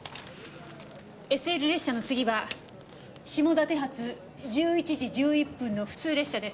ＳＬ列車の次は下館発１１時１１分の普通列車です。